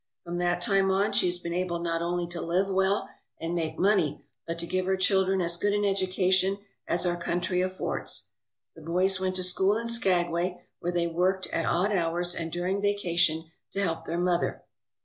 From that time on she has been able not only to live well and make money, but to give her children as good an education as our country affords. The boys went to school in Skagway, where they worked at odd hours and during vacation to help their mother.